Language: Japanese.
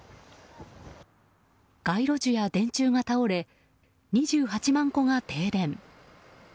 街路樹や電柱が倒れ２８万戸が停電。